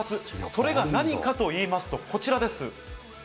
それが何かといいますと、こちらです。